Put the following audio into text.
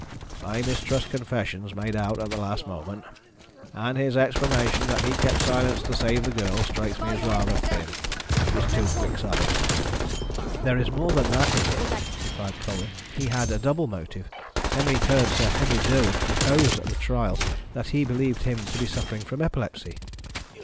I mistrust confessions made out at the last moment. And his explanation that he kept silence to save the girl strikes me as rather thin. It is too quixotic." "There is more than that in it," replied Colwyn. "He had a double motive. Penreath heard Sir Henry Durwood depose at the trial that he believed him to be suffering from epilepsy."